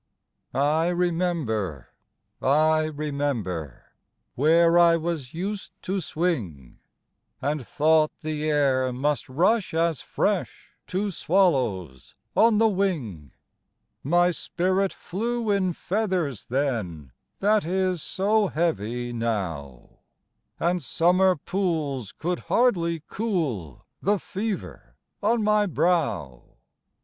I remember, I remember Where I was used to swing, And thought the air must rush as fresh To swallows on the wing; My spirit flew in feathers then That is so heavy now, And summer pools could hardly cool The fever on my brow.